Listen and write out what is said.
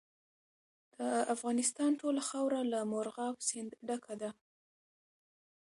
د افغانستان ټوله خاوره له مورغاب سیند ډکه ده.